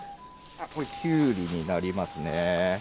これ、きゅうりになりますね。